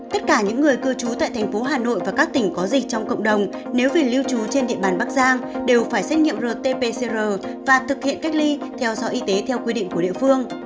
tất cả những người cư trú tại thành phố hà nội và các tỉnh có dịch trong cộng đồng nếu về lưu trú trên địa bàn bắc giang đều phải xét nghiệm rt pcr và thực hiện cách ly theo dõi y tế theo quy định của địa phương